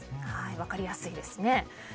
分かりやすいですね。